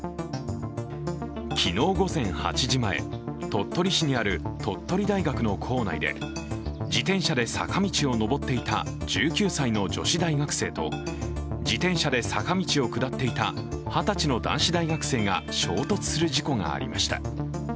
昨日午前８時前、鳥取市にある鳥取大学の構内で自転車で坂道を上っていた１９歳の女子大学生と自転車で坂道を下っていた二十歳の男子大学生が衝突する事故がありました。